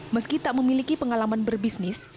meski tak memiliki pengalaman berbisnis